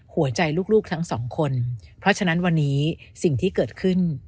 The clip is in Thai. หัวใจลูกทั้งสองคนเพราะฉะนั้นวันนี้สิ่งที่เกิดขึ้น